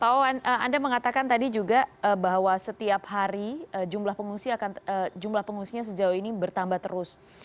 pak wawan anda mengatakan tadi juga bahwa setiap hari jumlah pengungsinya sejauh ini bertambah terus